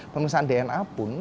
pemeriksaan dna pun